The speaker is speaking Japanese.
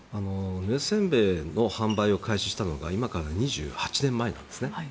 ぬれ煎餅の販売を開始したのが今から２８年前なんですね。